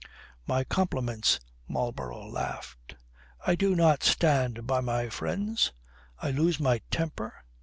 "My compliments," Marlborough laughed. "I do not stand by my friends? I lose my temper?